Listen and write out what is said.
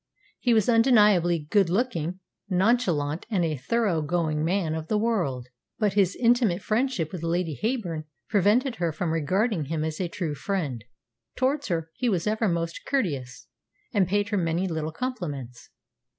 He was undeniably good looking, nonchalant, and a thorough going man of the world. But his intimate friendship with Lady Heyburn prevented her from regarding him as a true friend. Towards her he was ever most courteous, and paid her many little compliments.